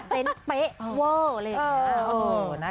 เซนจ์เป๊ะเวอร์แล้ว